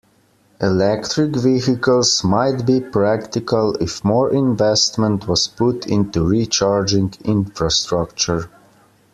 Electric Vehicles might be practical if more investment was put into recharging infrastructure.